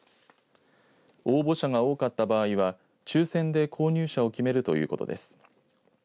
応募者が多かった場合は抽せんで購入者を決めるということです。